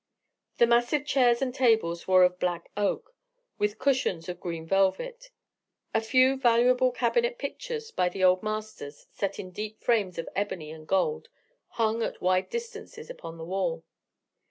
The massive chairs and tables were of black oak, with cushions of green velvet. A few valuable cabinet pictures, by the old masters, set in deep frames of ebony and gold, hung at wide distances upon the wall.